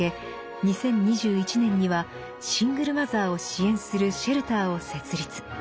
２０２１年にはシングルマザーを支援するシェルターを設立。